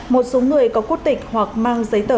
một số người có quốc tịch hoặc mang giấy tờ